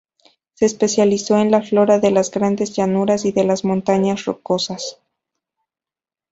Se especializó en la flora de las Grandes Llanuras y de las Montañas Rocosas.